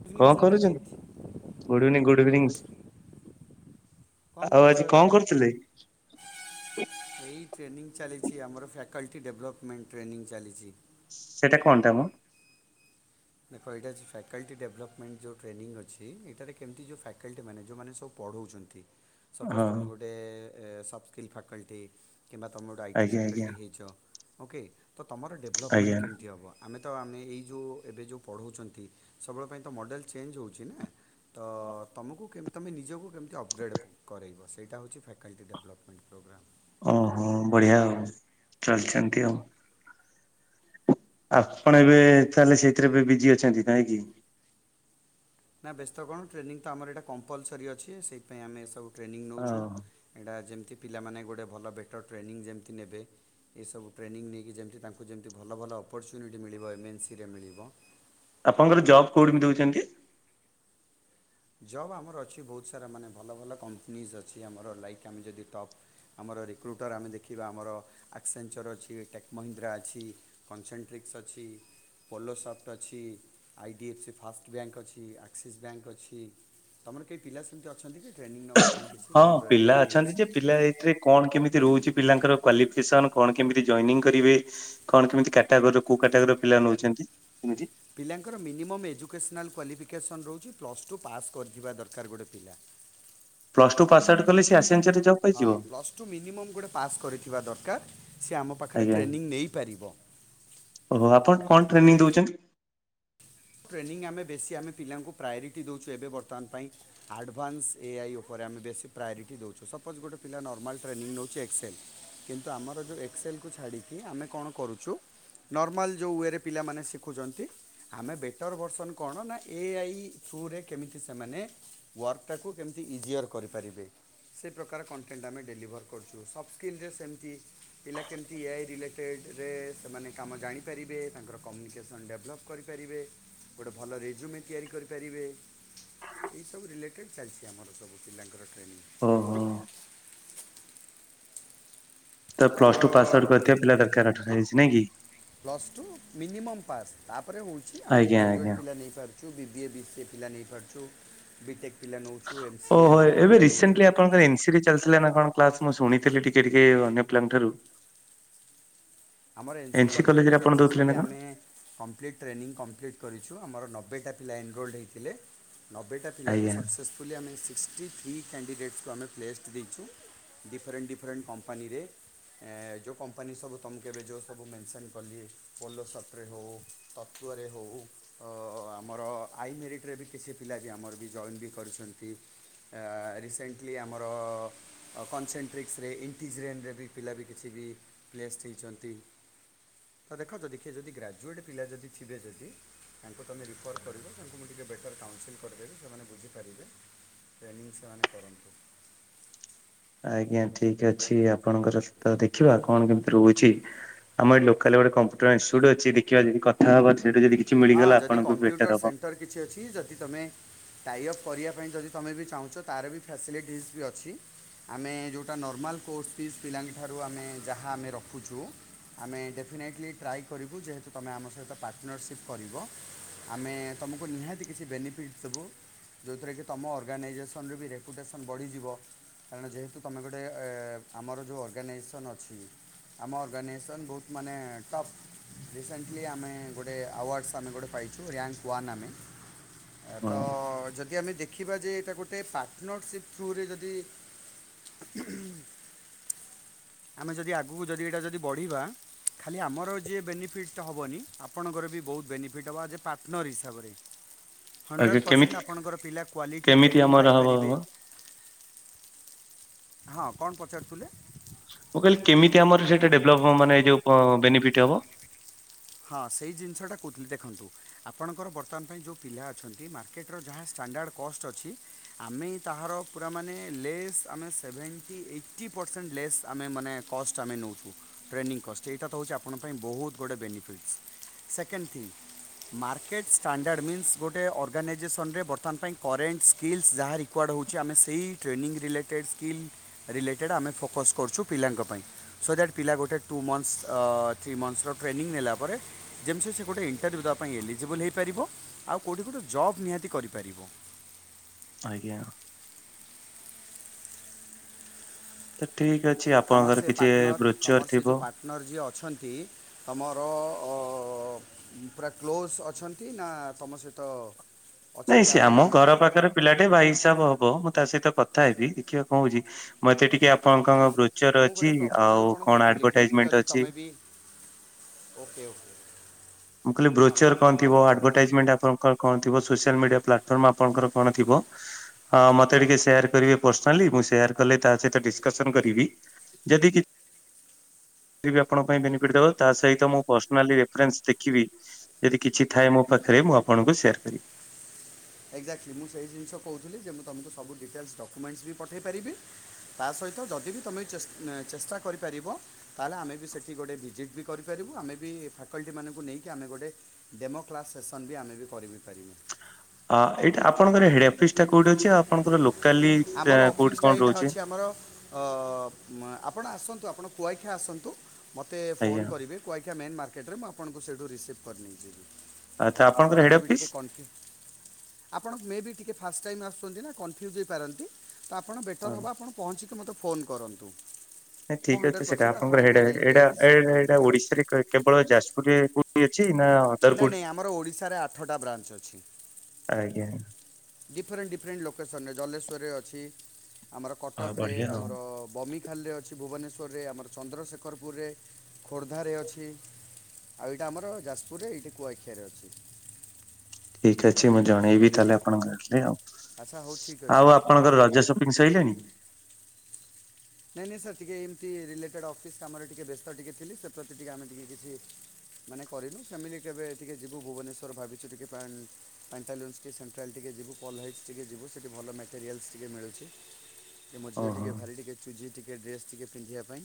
Evening କଣ କରୁଛନ୍ତି? Satyajit good evening, good evenings. କଣ କରୁଚ ଏବେ? [unintelligible] ଏଇ ଟ୍ରେନିଂ ଚାଲିଛି ଆମର ଫ୍ୟାକଲ୍ଟି ଡେଭଲପମେଣ୍ଟ ଟ୍ରେନିଂ ଚାଲିଛି। ସେଟା କଣଟା ମ? ଦେଖ ଏଇଟା ହେଉଛି ଫ୍ୟାକ୍ଲାଟି ଡେଭଲପମେଣ୍ଟ ଯୋଉ ଟ୍ରେନିଂ ଅଛି, ଏଇଟାରେ କେମିତି ଯୋଉ ଫ୍ୟାକ୍ଲାଟି ମାନେ ଯୋଉ ମାନେ ସବୁ ପଢୋଉଛନ୍ତି। ସପୋଜ ହଁ ତମେ ଗୋଟେ ଏ ସଫ ସ୍କିଲ୍ ଫ୍ୟାକ୍ଲାଟି କିମ୍ବା ତମେ ଗୋଟେ ଆଇଟି ଆଜ୍ଞା ଆଜ୍ଞା ଫ୍ୟାକଲ୍ଟି ହେଇଛ, ଓକେ ତ ତମର ଡେଭଲପମେଣ୍ଟ ଆଜ୍ଞା କେମିତି ହେବ? ଆମେ ତ ଆମେ ଏଇ ଯେଉ ଏବେ ଯୋଉ ପଢ଼ଉଛନ୍ତି, ସବୁବେଳେ ପାଇଁ ତ ମଡ଼େଲ୍ ଚେଞ୍ଜ ହେଉଛି ନା। ତ ତମକୁ କେମିତି ତମେ ନିଜକୁ କେମିତି ଅପଗ୍ରେଡ଼୍ କରେଇବ, ସେଇଟା ହେଉଛି ଫ୍ୟାକଲ୍ଟି ଡେଭଲପମେଣ୍ଟ। ପ୍ରୋଗ୍ରାମ୍ ଓହୋ ବଢିଆ ଆଉ ଚାଲିଛନ୍ତି ଆଉ। ଆପଣ ଏବେ ତାହେଲେ ସେଇଥିରେ ଏବେ ବିଜି ଅଛନ୍ତି ନାହିଁକିି? ନା ବ୍ୟସ୍ତ କଣ ଟ୍ରେନିଂ ତ ଆମର ଏଇଟା କମ୍ପଲସରି ଅଛି, ସେଇଥି ପାଇଁ ଆମେ ଏସବୁ ଟ୍ରେନିଂ ନଉଛୁ, ହଁ ଏଇଟା ଯେମିତି ପିଲାମାନେ ଗୋଟେ ଭଲ ବେଟର୍ ଟ୍ରେନିଂ ଯେମିତି ନେବେ। ଏସବୁ ଟ୍ରେନିଂ ନେଇକି ଯେମିତି ତାଙ୍କୁ ଯେମିତି ଭଲ ଭଲ ଅପର୍ଚୁନିଟି ମିଳିବ, ଏମଏନ୍ସିରେ ମିଳିବ ଆପଣଙ୍କର ଜବ୍ କୋଉଠି ବି ଦଉଛନ୍ତି? ଜବ୍ ଆମର ଅଛି ବହୁତ ସାରା ମାନେ ଭଲ ଭଲ କମ୍ପନିଜ ଅଛି। ଆମର ଲାଇକ୍ ଆମେ ଯଦି ଟପ୍ ଆମର ରିକ୍ରୁଟର୍ ଆମେ ଦେଖିବା, ଆମର ଆକ୍ସେଞ୍ଚର୍ ଅଛି, ଟେକ୍ ମହିନ୍ଦ୍ରା ଅଛି। କନସେଣ୍ଟ୍ରିକ୍ସ ଅଛି। ପୋଲୋ ସଫ୍ଟ ଅଛି, I D F C first bank ଅଛି, ଆକ୍ସିସ୍ ବ୍ୟାଙ୍କ ଅଛି। ତମର କେହି ପିଲା ସେମିତି ଅଛନ୍ତି କି ଟ୍ରେନିଂ ନବା ପାଇଁ କିଛି ହଁ ତମର ପିଲା ଅଛନ୍ତି ଯେ ରିଲେଟିଭ୍ସ? ପିଲା ଏଇଥିରେ କଣ କେମିତି ରହୁଛି ପିଲାଙ୍କର କ୍ୱାଲିଫିକେସନ୍, କଣ କେମିତି ଜଏନିଂ କରିବେ? କଣ କେମିତି କାଟାଗୋରୀ ର କୋଉ କାଟାଗୋରି ର ପିଲା ନଉଛନ୍ତି କେମିତି ପିଲାଙ୍କର ମିନିମମ୍ ଏଜୁକେସନାଲ୍ କ୍ୱାଲିଫିକେସନ୍ ରହୁଛି ପ୍ଲସ୍ ଟୁ ପାସ୍ କରିଥିବା ଦରକାର ଗୋଟେ ପିଲା। ପ୍ଲସ୍ ଟୁ ପାସ୍ ଆଉଟୁ କଲେ ସେ ଅସେନସିଆଲି ଜବ ହଁ ପ୍ଲସଟୁ ମିନିମମ୍ ଗୋଟେ ପାସ୍ କରିଥିବା ଦରକାର, ସେ ଆମ ପାଖରେ ଆଜ୍ଞା ଟ୍ରେନିଂ ନେଇପାରିବ। ଓହୋ ଆପଣ କଣ ଟ୍ରେନିଂ ହେଲା ଦଉଛନ୍ତି? ଟ୍ରେନିଂ ଆମେ ବେଶୀ ଆମେ ପିଲାଙ୍କୁ ପ୍ରାୟୋରିଟି ଦେଉଛୁ, ଏବେ ବର୍ତ୍ତମାନ ପାଇଁ ଆଡ଼ଭାନ୍ସ ଏ ଆ ଇ ଉପରେ ଆମେ ବେଶୀ ପ୍ରାୟୋରିଟି ଦେଉଛୁ, ସପୋଜ୍ ଗୋଟେ ପିଲା ନର୍ମାଲ୍ ଟ୍ରେନିଂ ନେଉଛି ଏକ୍ସେଲ୍ କିନ୍ତୁ ଆମର ଯେଉଁ ଏକ୍ସଲକୁୁ ଛାଡ଼ିକି ଆମେ କଣ କରୁଚୁ ନର୍ମାଲ୍ ଯେଉ ୱେରେ ପିଲାମାନେ ଶିଖୁଛନ୍ତି, ଆମେ ବେଟ ଟର ଭର୍ସନ୍ କଣ ନା, ଏ ଆଇ ଥ୍ରୁରେ କେମିତି ସେମାନେ ୱାର୍କଟାକୁ କେମିତି ଇଜିଅର କରିପାରିବେ। ସେ ପ୍ରକାର କଣ୍ଟେଣ୍ଟ ଆମେ ଡେଲିଭର୍ କରୁଛୁ। ସଫ୍ଟସ୍କ୍ରିନ୍ ରେ ସେମିତି ପିଲା କେମିତି ଏଆଇ ରିଲେଟେଡ଼୍ ରେ ସେମାନେ କାମ ଜାଣିପାରିବେ, ତାଙ୍କର କମ୍ୟୁନିକେସନ୍ ଡେଭଲପ୍ କରିପାରିବେ, ଗୋଟେ ଭଲ ରେଜୁମେ ତିଆରି କରିପାରିବେ। ଏଇସବୁ ରିଲେଟେଡ଼୍ ଚାଲିଛି ଆମର ସବୁ ପିଲାଙ୍କର ଟ୍ରେନିଂ। ଓହୋ ତ ପ୍ଲସ୍ ତମର ଟୁ ପାସ୍ ଆଉଟ୍ କରିଥିବା ପିଲା ଦରକାର [unintelligible] ହୋଇଛି ନାଇଁ କି? ପ୍ଲସ୍ ଟୁ ମିନିମମ୍ ପାସ୍ ତାପରେ ଓଜି ଆମେ ଆଜ୍ଞା ଗ୍ରାଜୁଏଟ୍ ଆଜ୍ଞା। ପିଲା ନେଇପାରୁ ଛୁ ବିବିଏ ବିସିଏ ପିଲା ନେଇପାରୁଛୁ ବିଟେକ୍ ପିଲା ନଉଛୁ ଏମ୍ ସିଏ ଏମ୍ ବିଏ ପିଲା ନଉଛୁ। [unintelligible] ଚାଲିିଥିଲା ନା କଣ କ୍ଲାସ ମୁଁ ଶୁଣିଥିଲି ଟିକେ ଟିକେ ଅନ୍ୟ ପିଲାଙ୍କଠାରୁ। ଆମର ଏନ୍ ସି କଲେଜର କଲେଜରେ ଆପଣ ଦଉଥିଲେ ନା ସକ୍ସେସ୍ଫୁଲି କଣ ଆମେ କମ୍ପ୍ଲିଟ୍ ଟ୍ରେନିଂ କମ୍ପ୍ଲିଟ୍ କରିଛୁ ଆମର ନବେଟା ପିଲା ଏନରୋଲଡ ହୋଇଥିଲେ। ନବେଟା ପିଲାରୁ ଆଜ୍ଞା। ସକ୍ସେସଫୁଲି ଆମେ ସିକ୍ସଟି ଥ୍ରୀ କ୍ୟାଣ୍ଡିଡେଟ କୁ ଆମେ ପ୍ଲେଷ୍ଟ ଦେଇଛୁ। ଡିଫରେଣ୍ଟ ଡିଫରେଣ୍ଟ କମ୍ପାନୀରେ ଏ ଯୋଉ କମ୍ପାନୀ ସବୁ ତମକୁ ଏବେ ଯେଉଁ ସବୁ ମେନ୍ସନ୍ କଲି ପୋଲସ୍ପଟ୍ ରେ ହଉ ତତ୍ତ୍ୱରେ ହଉ। ଆମର ଆଇ ମିରିଟ ରେ ବି କିଛି ପିଲା ବି ଆମର ବି ଜଏନ୍ ବି କରିଛନ୍ତି। ଆ ରିସେଣ୍ଟଲି ଆମର କନସେନଟ୍ରିକସରେ ଇଣ୍ଟିଜରେନରେ ବି ପିଲା ବି କିଛି ବି ପ୍ଲେଷ୍ଟ ହେଇଛନ୍ତି। ତ ଦେଖ ଯଦି କିଏ ଯଦି ଗ୍ରାଜୁଏଟ୍ ପିଲା ଯଦିଥିବେ ଯଦି ତାଙ୍କୁ ତୁମେ ରିଫର୍ କରିବ ତାଙ୍କୁ ମୁଁ ଟିକେ ବେଟର କାଉନସିଲ୍ କରିଦେବି ସେମାନେ ବୁଝିପାରିବେ। ଟ୍ରେନିଂ ସେମାନେ କରନ୍ତୁ। ଆଜ୍ଞା ଠିକ ଅଛି ଆପଣଙ୍କର ତ ଦେଖିବା କଣ କେମିତି ରହୁଛି। ଆମ ଏଠି ଲୋକାଲାରେ କମ୍ପୁଟର ଇନସୁଟ ଅଛି ଦେଖିବା ଯଦି କଥା ହବା ସେଇଠୁ ଯଦି କିଛି ହଁ ମିଳିଗଲା ଯଦି ଆପଣ ଙ୍କୁ କମ୍ପ୍ୟୁଟର ବେଟର ହବ। ସେଣ୍ଟର କିଛି ଅଛି ଯଦି ତମେ ଟାଇଅପ୍ କରିବା ପାଇଁ ଯଦି ତମେ ବି ଚାହୁଁଛ ତାର ବି ଫ୍ୟାସିଲିଟିଜ ବି ଅଛି। ଆମେ ଯଉଟା ନର୍ମାଲ୍ କୋର୍ସ ଫିସ୍ ପିଲାଙ୍କ ଠାରୁ ଆମେ ଯାହା ଆମେ ରଖୁଛୁ ଆମେ ଡେଫିନାଇଟଲି ଟ୍ରାଏ କରିବୁ ଯେହେତୁ ତମେ ଆମ ସହିତ ପାର୍ଟନରସିପ୍ କରିବ ଆମେ ତୁମକୁ ନିହାତି କିଛି ବେନିଫିଟଶ୍ ଦବୁ। ଯେଉଥିରେ କି ତମ ଅର୍ଗାନାଇଜେସନ୍ ରେ ବି ରେପୁଟେସନ୍ ବଢ଼ିଯିବ। କାରଣ ଯେହେତୁ ତମେ ଗୋଟେ ଏ ଆମର ଯେଉଁ ଅର୍ଗାନାଇଜେସନ୍ ଅଛି ଆମ ଅର୍ଗାନାଇଜେସନ୍ ବହୁତ ମାନେ ଟପ୍ ରିସେଣ୍ଟଲି ଆମେ ଗୋଟେ ଆୱାର୍ଡ଼ ଆମେ ଗୋଟେ ପାଇଛୁ ରାଙ୍କ୍ ୱାନ ଆମେ ତ ହଁ ଯଦି ଯଦି ଆମେ ଦେଖିବା ଯେ ଏଇଟା ଗୋଟେ ପାର୍ଟନରସିପ୍ ଥ୍ରୁ ରେ ଯଦି ଆମେ ଯଦି ଆଗକୁ ଯଦି ଏଇଟା ଯଦି ବଢ଼ିବା ଖାଲି ଆମର ଯିଏ ବେନିଫିଟ ହବନି ଆପଣଙ୍କର ବି ବହୁତ ବେନିଫିଟ୍ ହବ ଆଜ୍ ଏ ପାର୍ଟନର୍ ହିସାବରେ। ହଣ୍ଡ୍ରେଡ଼ ଆଜ୍ଞା, ପରସେଣ୍ଟ କେମିତି ଆପଣଙ୍କର ପିଲା କ୍ୱାଲିଟି କେମିତି ଟ୍ରେନିଂ ଆମର ହବ ପାଇପାରିବେ ହବ? ହଁ, କଣ ପଚାରୁଥିଲେ? ମୁଁ କହିଲି କେମିତି ଆମର ସେଇଟା ଡେଭଲପ ହବ ମାନେ ଯୋଉ ବେନିଫିଟ ହବ? ହଁ, ସେଇ ଜିନିଷଟା କହୁଥିଲି ଦେଖନ୍ତୁ ଆପଣଙ୍କର ବର୍ତ୍ତମାନ ପାଇଁ ଯୋଉ ପିଲା ଅଛନ୍ତି ମାର୍କେଟର ଯାହା ଷ୍ଟାଣ୍ଡାର୍ଡ଼ କଷ୍ଟ ଅଛି ଆମେ ତାହାର ପୁରା ମାନେ ଲେସ୍ ଆମେ ସେଭେଣ୍ଟି ଏଇଟି ପରସେଣ୍ଟ ଲେସ୍ ଆମେ ମାନେ କଷ୍ଟ ଆମେ ନଉଛୁ ଟ୍ରେନିଂ କଷ୍ଟ ଏଇଟା ତ ହେଉଛି ଆପଣ ଙ୍କ ପାଇଁ ବହୁତ ଗୋଟେ benefit. Second thing market standard means ଗୋଟେ ଅର୍ଗାନାଇଜେସନରେ ବର୍ତ୍ତମାନ ପାଇଁ କରେଣ୍ଟ୍ ସ୍କିଲ୍ସ ଯାହାର କି କୁଆଡ଼ ହେଉଛି ଆମେ ସେହି ଟ୍ରେନିଂ ରିଲେଟେଡ଼୍ ସ୍କିଲ୍ ରିଲେଟେଡ଼୍ ଆମେ ଫୋକସ୍ କରୁଛୁ ପିଲାଙ୍କ ପାଇଁ। ସୋ ଦ୍ୟାଟ ପିଲା ଗୋଟ ଟୁ ମନ୍ଥସ ଥ୍ରି ମନ୍ଥସ ର ଟ୍ରେନିଂ ନେଲା ପରେ ଯେମିତି ସେ ଗୋଟେ ଇଣ୍ଟରଭ୍ୟୁ ଦେବା ପାଇଁ ଏଲିଜିବଲ୍ ହେଇପାରିବ ଆଉ କେଉଠି ଗୋଟେ ଜବ୍ ନିହାତି କରିପାରିବ। ଆଜ୍ଞା। ତ ଠିକ ଅଛି ତମର ଆପଣଙ୍କର ସେ କିଛି ପାର୍ଟନର୍ ବ୍ରୋଚର୍ ତମର ସେ ଯେଉ ଥିବ। ପାର୍ଟନର୍ ଯିଏ ଅଛନ୍ତି ତମର-ଅ-ଅ-ଅ-ଅ-ଅ-ଅ-ଅ ପୁରା କ୍ଲୋଜ୍ ଅଛନ୍ତି ନା ତମ ସହିତ। ନାଇଁ ଅଛନ୍ତି ସେ ଆମେ ଆମ ଘର ପାଖରେ। ପିଲାଟେ ଭାଇ ହିସାବ ହବ ମୁଁ ତା ସହିତ କଥା ହେବି ଦେଖିବା କହୁଉଛି ମତେ ଟିକେ ଆଚ୍ଛା ଆ କଣ କଣ ନାଇଁ ବ୍ରୋଚର୍ ମୁଁ ଗୋଟେ ଅଛି, ପ୍ରପୋଜାଲ୍ ଆଉ କଣ ଦେଉଥିଲି କି ଆଡଭାରଟାଇଜ୍ ମେଣ୍ଟ୍ ଯଦି ଅଛି। ତମେ ବି ଓକେ ଓକେ। ମୁଁ କହଲି ହଁ ବ୍ରୋଚର କଣ କହୁଥିଲ ଥିବ ଆ ଆଡଭାଟାଇଜମେଣ୍ଟ୍ ଆପଣର କଣ ଥିବ ସୋସିଆଲ ମିଡିଆ ପ୍ଲାଟଫର୍ ଆପଣଙ୍କର କଣ ଥିବ। ହଁ ମୋତେ ଟିକେ ସେୟାର କରିବେ ପର୍ସନାଲି ମୁଁ ସେୟାର୍ କଲେ ତା ସହିତ ଡିସକସନ୍ କରିବି। ଯଦି କି ଯଦି ବି ଆପଣଙ୍କ ପାଇଁ ବେନିଫିଟ୍ ଦେବ ତାହା ସହିତ ମୁଁ ପର୍ସନା ରେଫରେନ୍ସ ଦେଖିବି। ଯଦି କିଛି ଥାଏ ମୋ ପାଖରେ ମୁଁ ଆପଣଙ୍କୁ ସେୟାର କରିବି। ଏକ୍ଜାକ୍ଟଲି ମୁଁ ସେ ଜିନିଷ କହୁଥିଲି ଯେ ମୁଁ ତମକୁ ସବୁ ଡିଟେଲ୍ ଡକ୍ୟୁମେଣ୍ଟସ୍ ବି ପଠାଇ ପାରିବି। ତା ସହିତ ଯଦି ବି ତମେ ଚେ-ଚେଷ୍ଟା କରିପାରିବ। ତାହେଲେ ଆମେ ବି ସେଠି ଗୋଟେ ଭିଜିଟ୍ ବି କରିପାରିବୁ ଆମେ ବି ଫାକଲ୍ଟି ମାନଙ୍କୁ ନେଇକି ଆମେ ଗୋଟେ ଡେମୋ କ୍ଲାସ୍ ସେସନ୍ ବି ଆମେ ବି କରିିବ ବି ପାରିବୁ। ଆ ଏଇଟା ଆପଣଙ୍କର ହେଡ୍ ଅଫିସ ଟା କୋଉଠି ଅଛି ଆଉ ଆପଣଙ୍କର ଲୋକାଲି ଟା ଆମର କୋଉଠି ଅଫିସ୍ଟା କଣ ଏଇଟା ରହୁଛି? ଅଛି ଆମର -ଅ-ଅ ଆପଣ ଆସନ୍ତୁ ଆପଣ କୁଆଇଖିଆ ଆସନ୍ତୁ, ମୋତେ ଫୋନ୍ ଆଜ୍ଞା କରିବେ। କୁଆଖିଆ ମେନ୍ ମାର୍କେଟରେ ମୁଁ ଆପଣଙ୍କୁ ସେଇଠୁ ରିସିଭ୍ କରି ନେଇଯିବି। ଆଚ୍ଛା ଆପଣ ଆପଣଙ୍କର ମେ ହେଡ୍ ବି ଅଫିସ୍? ଟିକେ କଣ୍ଫ୍ୟୁଜ୍ ଆପଣ ମେ ବି ଟିକେ ଫାଷ୍ଟ ଟାଇମ୍ ଆସୁଛନ୍ତି ନା କନଫ୍ୟୁଜ୍ ହୋଇପାରନ୍ତି ତ ଆପଣ ବେଟର୍ ହେବ ଆପଣ ପହଞ୍ଚିକି ମୋତେ ଫୋନ୍ କରନ୍ତୁ। ମୁଁ ଠିକ୍ ଅଛ ହଣ୍ଡ୍ରେଡ଼ ସେଟା ପରସେଣ୍ଟ ଆପଣଙ୍କର ଆପଣଙ୍କୁ ଇଡା ଯାଇକି ଏଇଟା ରିସିଭ୍ ଏ-ଏ-ଏଟା କରିନେବି ଓଡିଶାରେ କେବଳ ଯାଜପୁରରେ କୋଉଠି ଅଛି ନା ଅଦର ନାଇଁ କୋଉଠି? ନାଇଁ ଆମର ଓଡ଼ିଶାରେ ଆଠଟା ବ୍ରାଞ୍ଚ ଅଛି। ଆଜ୍ଞା ଡିଫରେଣ୍ଟ୍ ଡିଫରେଣ୍ଟ୍ ଲୋକେସନ୍ରେ ଜଲେଶ୍ୱରରେ ଅଛି, ଆମର ଆଉ କଟକରେ ବଢିଆ ଆଉ ଆମର ବମି [unintelligible] ଅଛି ଭୁବନେଶ୍ୱରରେ, ଆମର ଚନ୍ଦ୍ରଶେଖରପୁର୍ ରେ, ଖୋର୍ଦ୍ଧାରେ ଅଛି। ଆଉ ଏଇଟା ଆମର ଯାଜପୁରରେ ଏଇଠି କୁଆଖିଆରେ ଅଛି। ଠିକ୍ ଅଛି ମୁଁ ଜଣେଇବି ତାହେଲେ ଆପଣଙ୍କ ଆସିଲେ ଆଉ। ଆଚ୍ଛା ହଉ ଠିକ୍ ଆଉ ଅଛି। ଆପଣଙ୍କର ରଜ ସପିଂଙ୍ଗ୍ ସାଇଲାଣି? ନାଇଁ ନାଇଁ ସାର୍ ଟିକେ ଏମିତି ରିଲେଟେଡ୍ ଅଫିସ୍ କାମରେ ଟିକେ ବ୍ୟସ୍ତ ଟିକେ ଥିଲି ସେ ପ୍ରତି ଟିକେ ଆମେ ଟିକେ କିଛି ମାନେ କରିନୁ ଫ୍ୟାମିଲି କେବେ ଟିକେ ଯିବୁ ଭୁବନେଶ୍ୱର ଭାବିଛୁ ଟିକେ ବାହା ପ୍ୟାଣ୍ଟାଲନ୍ସ୍ ଟିକେ ସେଣ୍ଟ୍ରାଲ୍ ଟିକେ ଯିବୁ ପଲ ହଇଟ୍ ଟିକେ ଯିବୁ ସେଠି ଭଲ ମେଟେରିଆଲ୍ସ ଟିକେ ମିଳୁଛି। ଯେ ମୋ ଝିଅ ଓହୋ। ଟିକେ ଭାରି ଟିକେ ଚୁଜି ଟିକେ ଡ୍ରେସ୍ ଟିକେ ପିନ୍ଧିବା ପାଇଁ,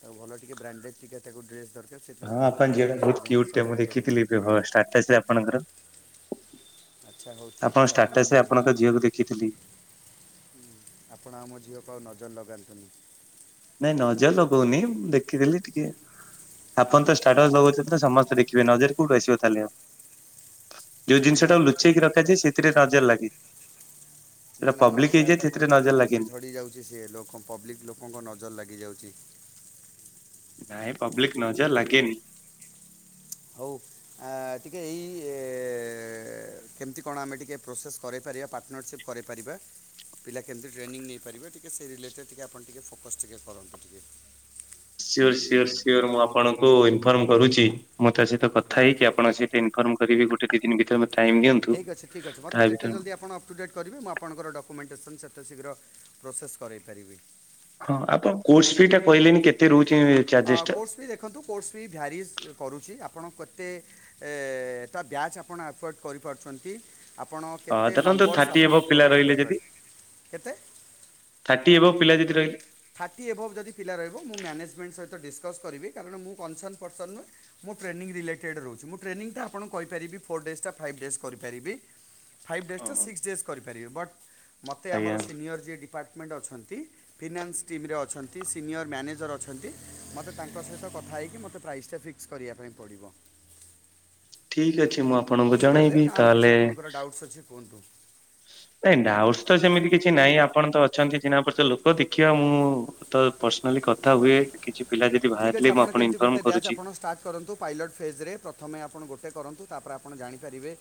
ତ ଭଲ ଟିକେ ବ୍ରାଣ୍ଡେଡ୍ ଟିକେ ତାକୁ ଡେସ୍ ଦରକାର୍। ହଁ ଆପଣ ଝିଅ [unintelligible] କ୍ୟୁଟ ଟେ ମୁଁ କରିବୁ ଦେଖିଥିଲି ଷ୍ଟାଟସ୍ ଆପଣଙ୍କର। ଆଚ୍ଛା ହଉ ଠିକ୍ ଅଛି ଆପଣଙ୍କ ଆପଣ ଆଉ ଷ୍ଟାଟସ୍ ମୋ ରେ ଆପଣଙ୍କ ନ ଝିଅକୁ ଦେଖିଥିଲି। ଆପଣ ଆମ ଝିଅକୁ ଆଉ ନଜର ଲଗାନ୍ତୁନି। ନାଇଁ ନଜର ଲଗଉନି, ଦେଖିଥିଲି ଟିକେ। ଆପଣ ତ ଷ୍ଟାଟସ୍ ଲଗୁଛନ୍ତି ତ ସମସ୍ତେ ଦେଖିବେ ନଜର କୋଉଠି ଆସିବ ତାହେଲେ ଆଉ। ଯେଉଁ ନା ମୁଁ ଆଉ ଜିନିଷଟାକୁ ଲୁଚେଇକି ପକଉନି ତାର ରଖାଯାଏ ସେଥିରେ ନଜର ଲାଗେ। ନା ସେଟା ନା ମୁଁ ଆଉ ପବ୍ଲିକ ସେ ଆଉ ହେଇଯାଏ ସେଥିରେ ତାକୁରେ ନଜର ପକଉନି ସେ ଲାଗେନି। ଝଡ଼ିଯାଉଛି ସେ ଲୋକ ପବ୍ଲିକ୍ ଲୋକଙ୍କ ନଜର ଲାଗିଯାଉଛି। ନାଇଁ ପବ୍ଲିକ ନଜର୍ ଲାଗେନି। ହୋଉ। ଆ- ଟିକିଏ ଇଏ କେମିତି କଣ ଆମେ ଟିକେ ପ୍ରୋସେସ୍ କରେଇପାରିବା ପାର୍ଟନରସିପ୍ କରେଇପାରିବା। ପିଲା କେମିତି ଟ୍ରେନିଂ ନେଇପାରିବେ ଟିକେ ସେ ରିଲେଟେ୍ ଟିକେ ଆପଣ ଟିକେଏ ଫୋକସ୍ ଟିକିଏ କରନ୍ତୁ ଟିକେ। ସଓର୍- ସଓର୍- ସିଓର୍ ମୁଁ ଆପଣଙ୍କୁ ଇନଫର୍ମ କରୁଚି। ମୁଁ ତା ସହିତ କଥା ହେଇକି ଆପଣଙ୍କୁ ଆସି ଇନଫର୍ମ କରିବି ଗୋଟେ ଦି ଦିନ ଭିତରେ ମୋତେ ଟାଇମ୍ ଦିଅନ୍ତୁ। ଠିକ୍ ଅଛି-ଠିକ୍ ଅଛି ମତେ ତା ଯେତେ ଭିତରେ ଜଲ୍ଦି ଆପଣ ଅପ୍ ଟୁ ଡେଟ୍ କରିବେ ମୁଁ ଆପଣଙ୍କର ଡକ୍ୟୁମେଣ୍ଟେସନ୍ ସେତେ ଶୀଘ୍ର ପ୍ରୋସେସ୍ କରେଇପାରିବି। ହଁ ଆପଣ କୋର୍ସ୍ ଫି ଟା କହିଲେନି କେତେ ରହୁଚି? ଅ- କୋର୍ସ ଫି ଦେଖନ୍ତୁ କୋର୍ସ ବି ଭ୍ୟାରିସ୍ କରୁଚି ଆପଣ କେତେ ଏ ତା ବ୍ୟାଜ୍ ଆପଣ ଆଫୋର୍ଡ଼ କରିପାରୁଚନ୍ତି। ଆପଣ ହଁ କେତେ ଧରନ୍ତୁ ନମ୍ବର୍ସ ଥାର୍ଟି ଆପଣ ଏଭବ ପିଲା ପ୍ରୋଭାଇଡ୍ ରହିଲେ କରିପାରିବେ? [inaudible] ଥାର୍ଟୀ ଏଭୋବ୍ ପିଲା ଯଦି ରହିଲେ। ଥାର୍ଟି ଏଭୋବ୍ ଯଦି ପିଲା ରହିବ ମୁଁ ମ୍ୟାନେଜମେଣ୍ଟ୍ ସହିତ ଡିସ୍କସ୍ କରିବି। କାରଣ ମୁଁ କନସର୍ନ୍ ପର୍ସନ୍ ନୁହେଁ। ମୁଁ ଟ୍ରେନିି ରିଲେଟେଡ୍ ରହୁଚି ମୁଁ ଟ୍ରେନିଂ ଟା ଆପଣଙ୍କୁ କହିପାରିବି ଫୋର୍ ଡେଜ୍ ଟା ଫାଇଭ୍ ଡେଜ୍ କରି ପାରିବି। ଫାଇଭ୍ ଡେଜ୍ ହଁ ଟା ହଁ ସିକ୍ସ୍ ଡେଜ୍ କରିପାରିବି ବଟ୍ ମତେ ଆଜ୍ଞା ଆମର ସିନିୟର୍ ଯିଏ ଡିପାର୍ଟ ମେଣ୍ଟ୍ ଅଛନ୍ତି ଫିନାନ୍ସ ଟିମ୍ ରେ ଅଛନ୍ତି ସିନିୟର୍ ମ୍ୟାନେଜର୍ ଅଛନ୍ତି ମୋତେ ତାଙ୍କ ସହିତ କଥା ହେଇକି ମୋତେ ପ୍ରାଇସ୍ ଟା ଫିକ୍ସ୍ ଫିକ୍ସ୍ କରିବା ପାଇଁ ପଡ଼ିବ। ଠିକ୍ ଅଛି ମୁଁ ଆପଣଙ୍କୁ ବୁଝିପାରିଲେ ଜଣେଇବି ନା ଆଉ କିଛି ତାହାଲେ। ଆପଣଙ୍କର ଡାଉଟ୍ସ ଅଛି କୁହନ୍ତୁ ନାଇଁ ଡାଉଟସ୍ ତ ସେମିତି କିଛି ନାଇଁ ଆପଣ ତ ଅଛନ୍ତି ଚିହ୍ନା ପରିଚୟ ଲୋକ ଦେଖିବା ମୁଁ ତ ପର୍ସନାଲି କଥା ହୁଏ କିଛି ପିଲା ଯେ ଠିକ୍ ଅଛି ଆପଣ କେମିତି ଗୋଟେ ବ୍ୟାଚ୍ ଆପଣ ଷ୍ଟାର୍ଟ୍ କରନ୍ତୁ ପାଇଲଟ୍ ଫେଜ୍ ରେ ପ୍ରଥମେ ଆପଣ ଗୋଟେ କରନ୍ତୁ ତାପରେ ଆପଣ ଜାଣିପାରିବେ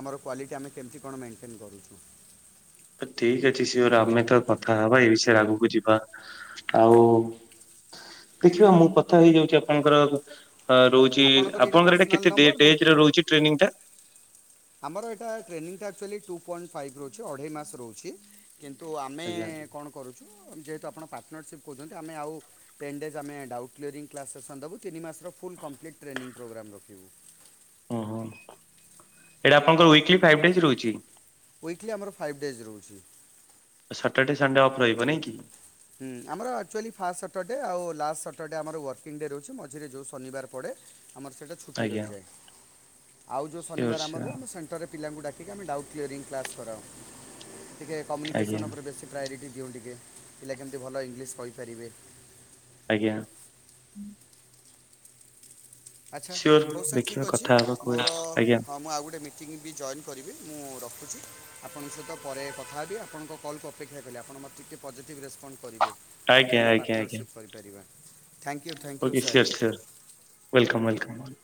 ଆମର କ୍ୱାଲିଟି ଆମେ କେମିତି କଣ ମେଣ୍ଟେନ୍ କରୁଚୁ। ଠିକ୍ ଅଛି ସିଓର୍ ଆମେ ତ କଥା ହବା ଏଇ ବିଷୟରେ ଆଗକୁ ଯିବା ଆଉ ଦେଖିବା ମୁଁ କଥା ହେଇଯାଉଚି ଆପଣଙ୍କର ହ ରହୁଚି ଆପଣଙ୍କର ଏଇଟା ପର୍ସନାଲ୍ କେତେ ନମ୍ବର ନା ଡେ-ଡେଜ୍ ରେ ରହୁଚି ଟ୍ରେନିଂ ଟା? ଆମର ଏଟା ଟ୍ରେନିଂଟା ଆକ୍ଚୁଆଲି ଟୁ ପଏଣ୍ଟ୍ ଫାଇଭ୍ ରହୁଚି ଅଢ଼େଇ ମାସ୍ ରହୁଚି। କିନ୍ତୁ ଆମେ ଆଜ୍ଞା କଣ କରୁଚୁ ଯେହେତୁ ଆପଣ ପାର୍ଟନରସିପ୍ କହୁଚନ୍ତି ଆମେ ଆଉ ଟେନ୍ ଡେଜ୍ ଆମେ ଡାଉଟକ୍ଲିୟରିଂ କ୍ଲାସ୍ ସେସନ୍ ଦବୁ। ତିିନି ମାସର ଫୁଲ୍ କଂପ୍ଲିଟ୍ ଟ୍ରେନିଂ ପୋଗ୍ରାମ୍ ରଖିବୁ। ଓ ହୋ ଏଟା ଆପଣଙ୍କର ୱିକଲି ଫାଇଭ୍ ଡେଜ୍ ରହୁଚି? ୱିକଲି ଆମର ଫାଇଭ୍ ଡେଜ୍ ରହୁଚି। ସଟର୍ ଡେ ସଣ୍ଡେ ଅଫ୍ ରହିବ ନାଇଁ କି? ହୁଁ ଆମର ଆକ୍ଚୁଆଲି ଫାଷ୍ଟ୍ ସଟର୍ ଡେ ଆଉ ଲାଷ୍ଟ୍ ସଟର୍ଡେ ଆମର ୱାର୍କିଂ ଡେ ରହୁଚି ମଝିରେ ଯଉ ଶନିବାର ପଡେ ଆମର ସେଟା ଛୁଟି ଆଜ୍ଞା ରହିଯାଏ ଆଉ ଯଉ ସିଓର ଶନିବାର ଆମର ସିଓର ରୁହେ [unintelligible] ପରେ ପିଲାଙ୍କୁ ଡାକି ଆମେ ଡାଉଟ କ୍ଲିୟରିଂ କ୍ଲାସ୍ କରାଉ ଟିକେ ଆଜ୍ଞା କମ୍ୟୁନିକେସନ୍ ଉପରେ ବେଶୀ ପ୍ରାୟୋରିଟି ଦିଉ ଟିକେ ପିଲା କେମିତି ଭଲ ଇଂଲିଶ କହିପାରିବେ। ଆଜ୍ଞା। ଆଚ୍ଛା ସିଓର ହଉ ସାର୍ ଠିକ୍ ଦେଖିବା ଅଛି କଥା ହବା ମୋର ଆଜ୍ଞା ହଁ ମୁଁ ଆଉ ଗୋଟେ ମିଟ୍ ମିଟିଙ୍ଗ୍ ବି ଜଏନ୍ କରିବି ମୁଁ ରଖୁଚି ଆପଣଙ୍କ ସହିତ ପରେ କଥା ହେବି ଆପଣଙ୍କ କଲ୍ କୁ ଅପେକ୍ଷା କଲି ଆପଣ ମୋତେ ଟିକେ ପଜିଟିଭ୍ ରେସ୍ପଣ୍ଡ୍ କରିବେ କେମିତି ଆଜ୍ଞା ଆମେ ଆଜ୍ଞା ଆଜ୍ଞା। ପାର୍ଟନରସିପ୍ କରିପାରିବା thank you thank you sir. Welcome- welcome.